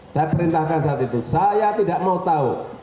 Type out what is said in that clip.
saya perintahkan saat itu saya tidak mau tahu